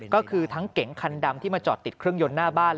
ก็คือทั้งเก๋งคันดำที่มาจอดติดเครื่องยนต์หน้าบ้าน